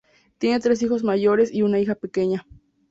Tiene tres hijos mayores y una hija pequeña.